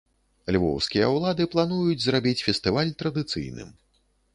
Львоўскія ўлады плануюць зрабіць фестываль традыцыйным.